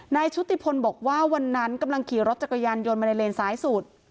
ชุติพลบอกว่าวันนั้นกำลังขี่รถจักรยานยนต์มาในเลนซ้ายสุด